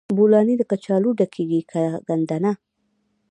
بولاني له کچالو ډکیږي که ګندنه؟